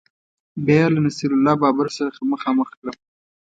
بیا یې له نصیر الله بابر سره مخامخ کړم